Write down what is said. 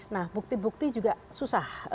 nah bukti bukti juga susah